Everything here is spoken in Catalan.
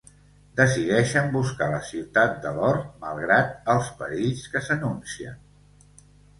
Decideixen buscar la ciutat de l'or malgrat els perills que s'anuncien.